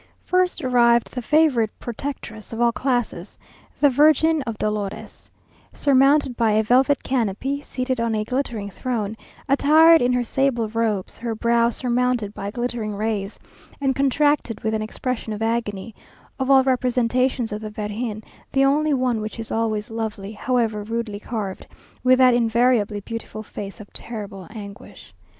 First arrived the favourite protectress of all classes, the Virgin of Dolores, surmounted by a velvet canopy, seated on a glittering throne, attired in her sable robes, her brow surmounted by glittering rays, and contracted with an expression of agony; of all representations of the Virgin, the only one which is always lovely, however rudely carved, with that invariably beautiful face of terrible anguish.